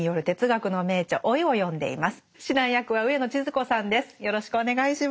指南役は上野千鶴子さんです。